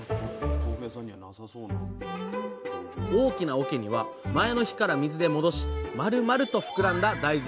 大きなおけには前の日から水で戻しまるまると膨らんだ大豆。